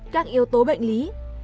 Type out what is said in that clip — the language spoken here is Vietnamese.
các yếu tố bệnh lý